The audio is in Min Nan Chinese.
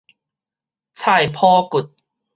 菜脯骨